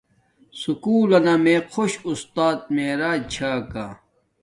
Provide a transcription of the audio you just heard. سکُول لنا میے خوش آستات معراج چھا کا